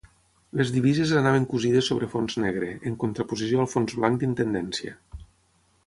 Les divises anaven cosides sobre fons negre, en contraposició al fons blanc d'Intendència.